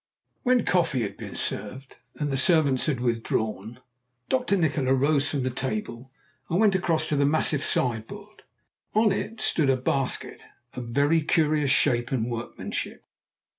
When coffee had been served and the servants had withdrawn, Dr. Nikola rose from the table, and went across to the massive sideboard. On it stood a basket of very curious shape and workmanship.